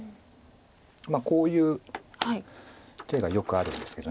こういう手がよくあるんですけど。